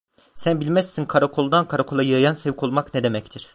Sen bilmezsin, karakoldan karakola yayan sevk olmak ne demektir.